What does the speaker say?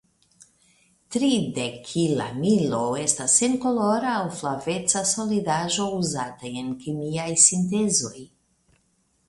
Tridekilamino estas senkolora aŭ flaveca solidaĵo uzata en kemiaj sintezoj.